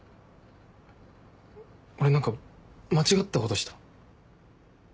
俺何か間違ったことした？